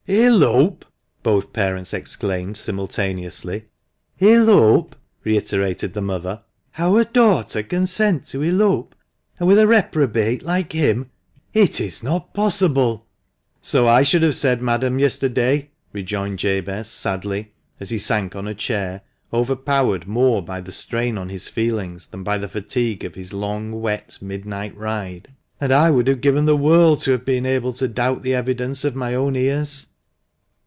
" Elope !" both parents exclaimed, simultaneously. "Elope!" reiterated the mother. "Our daughter consent to elope, and with a reprobate like him ? It is not possible !"" So I should have said, madam, yesterday," rejoined Jabcz, sadly, as he sank on a chair, overpowered more by the strain on his feelings than by the fatigue of his long, wet, midnight ride, " and I would have given the world to have been able to doubt the evidence of my own ears."